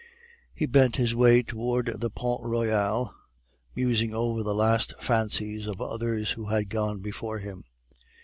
He bent his way toward the Pont Royal, musing over the last fancies of others who had gone before him.